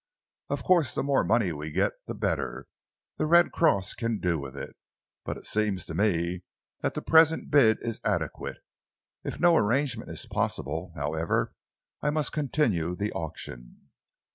"Of course, the more money we get, the better the Red Cross can do with it but it seems to me that the present bid is adequate. If no arrangement is possible, however, I must continue the auction."